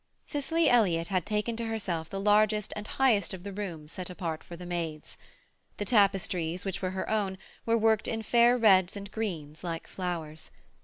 Cicely Elliott had taken to herself the largest and highest of the rooms set apart for these maids. The tapestries, which were her own, were worked in fair reds and greens, like flowers.